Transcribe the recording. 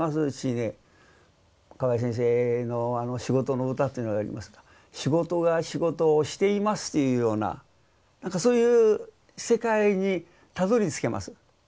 うちにね河井先生の「仕事のうた」というのがありますが「仕事が仕事をしています」というようなそういう世界にたどりつけます。